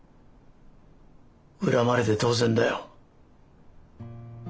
恨まれて当然だよ。